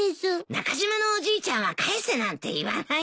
中島のおじいちゃんは返せなんて言わないよ。